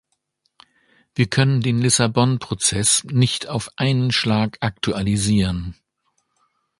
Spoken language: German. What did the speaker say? Wir können den Lissabon-Prozess nicht auf einen Schlag aktualisieren.